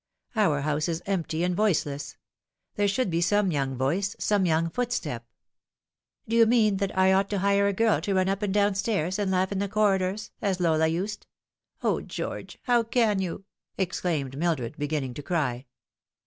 Our house is empty and voiceless. There should be some young voice some young footstep "" Do you mean that I ought to hire a girl to run up and down stairs, and laugh in the corridors, as Lola used ? O, George, how can you !" exclaimed Mildred, beginning to cry.